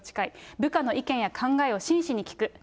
部下の意見や考えを真摯に聞く。